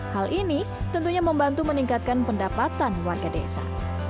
hal ini tentunya membantu meningkatkan pendapatan warga desa